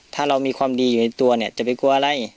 ถ้าเรามีความดีอยู่ในตัวเนี่ยจะไปกลัวอะไร